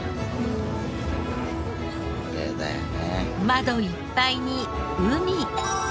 窓いっぱいに海！